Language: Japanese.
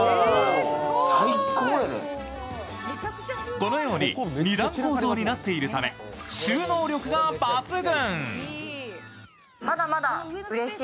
このように２段構造になっているため収納力抜群。